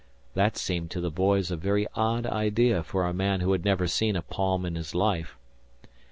That seemed to the boys a very odd idea for a man who had never seen a palm in his life.